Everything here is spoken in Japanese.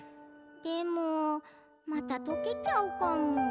でもまたとけちゃうかも。